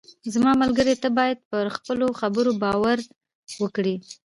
زما ملګری، ته باید پر خپلو خبرو باور وکړې.